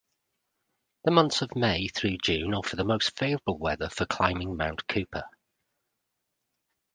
The months May through June offer the most favorable weather for climbing Mount Cooper.